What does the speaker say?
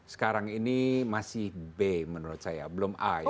sekarang ini masih b menurut saya belum a ya